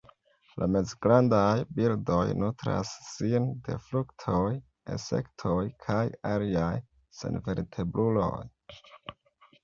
La mezgrandaj birdoj nutras sin de fruktoj, insektoj kaj aliaj senvertebruloj.